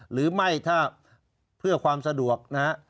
หรือไม่ถ้าเพื่อความสะดวกนะฮะ